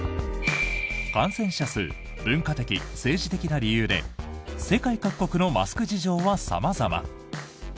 感染者数文化的・政治的な理由で世界各国のマスク事情は様々。